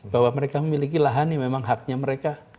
bahwa mereka memiliki lahan yang memang haknya mereka